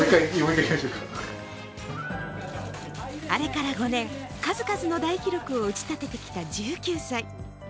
あれから５年、数々の大記録を打ち立ててきた１９歳。